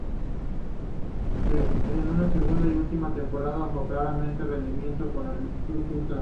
En su segunda y última temporada bajó claramente su rendimiento con el Plus Ultra.